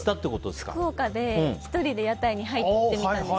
福岡で１人で屋台に入ってみたんです。